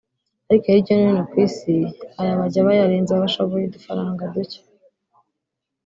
ariko hirya no hino ku isi aya bajya bayarenza bashoye udufaranga ducye